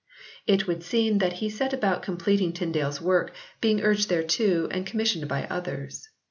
It would seem that he set about completing Tyndale s work, being urged thereto and commissioned by others.